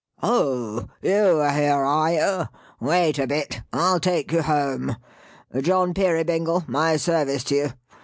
"Oh! You are here, are you? Wait a bit. I'll take you home. John Peerybingle, my service to you.